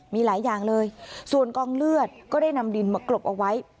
มีหลายอย่างเลยส่วนกองเลือดก็ได้นำดินมากรบเอาไว้